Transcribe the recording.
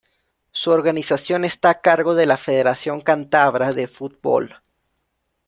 Su organización está a cargo de la Federación Cántabra de Fútbol.